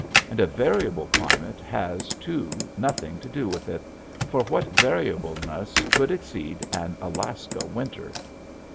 And a variable climate has, too, nothing to do with it, for what variableness could exceed an Alaska winter.